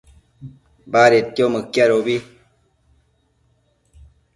badedquio mëquiadobi